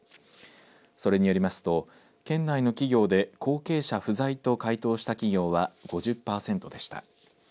それによりますと県内の企業で後継者不在と回答した企業は５０％でした。